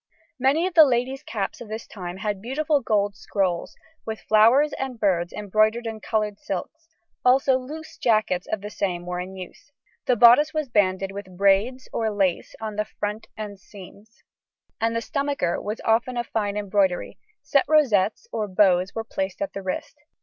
Many of the ladies' caps of this time had beautiful gold scrolls, with flowers and birds embroidered in coloured silks, also loose jackets of the same were in use. The bodice was banded with braids or lace on the front and seams, and the stomacher was often of fine embroidery; set rosettes or bows were placed at the waist.